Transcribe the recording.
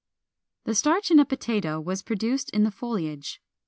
] 420. The starch in a potato was produced in the foliage.